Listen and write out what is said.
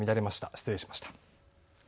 失礼しました。